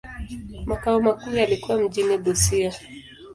Makao makuu yalikuwa mjini Busia.